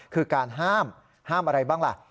คือการห้ามห้ามอะไรบ้างล่ะ